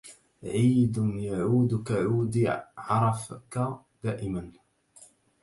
عيد يعود كعود عرفك دائما